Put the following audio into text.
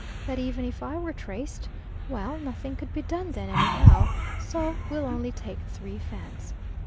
that even if I were traced well, nothing could be done then, anyhow so will only take three Fans.